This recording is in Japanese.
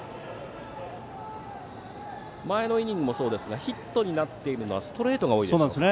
前のイニングもそうですがヒットになっているのはストレートが多いですね。